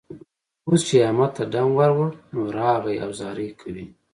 اوس چې يې احمد ته ډم ور وړ؛ نو، راغی او زارۍ کوي.